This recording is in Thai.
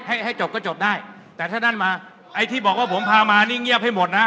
ให้ให้จบก็จบได้แต่ถ้านั่นมาไอ้ที่บอกว่าผมพามานี่เงียบให้หมดนะ